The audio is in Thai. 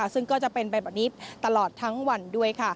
ซึ่งก็จะเป็นไปแบบนี้ตลอดทั้งวันด้วย